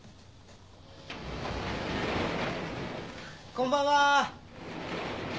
こんばんは。